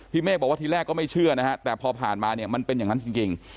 เมฆบอกว่าทีแรกก็ไม่เชื่อนะฮะแต่พอผ่านมาเนี่ยมันเป็นอย่างนั้นจริง